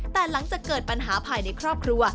แต่หลังจากเกิดปัญหาภายในครอบครัว